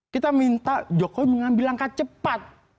kita minta jokowi mengambil langkah cepat